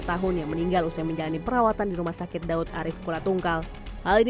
tiga puluh empat tahun yang meninggal usia menjalani perawatan di rumah sakit daud arief kuala tungkal hal ini